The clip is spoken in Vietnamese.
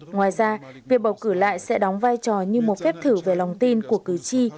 ngoài ra việc bầu cử lại sẽ đóng vai trò như một phép thử về lòng tin của cử tri